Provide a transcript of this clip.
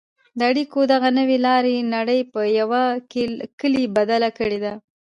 د اړیکو دغې نوې لارې نړۍ په یوه کلي بدله کړې ده.